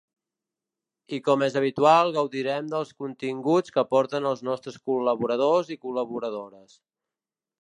I com és habitual gaudirem dels continguts que aporten els nostres col·laboradors i col·laboradores.